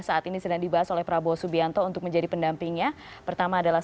ada dua nama yang sudah